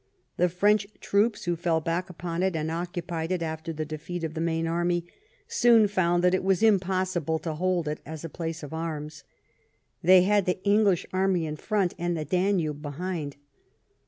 The French troops who fell back upon it, and occupied it after the defeat of the main army, soon found that it was impossible to hold it as a place of arms. They had the English army in front and the Danube behind.